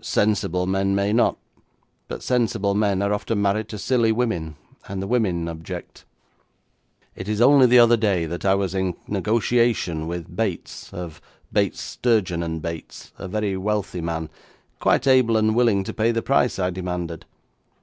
'Sensible men may not, but sensible men are often married to silly women, and the women object. It is only the other day that I was in negotiation with Bates, of Bates, Sturgeon and Bates, a very wealthy man, quite able and willing to pay the price I demanded.